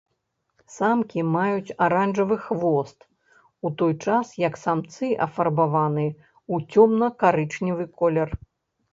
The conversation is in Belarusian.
Самкі маюць аранжавы хвост, у той час як самцы афарбаваны ў цёмна-карычневы колер.